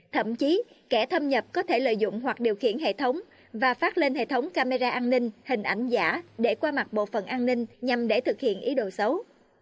thậm chí kẻ thâm nhập có thể lợi dụng hoặc điều khiển hệ thống và phát lên hệ thống camera an ninh hình ảnh giả để qua mặt bộ phần an ninh nhằm để thực hiện ý đồ xấu